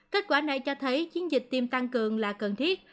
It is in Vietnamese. kết quả này cho thấy chiến dịch tiêm tăng cường là cần thiết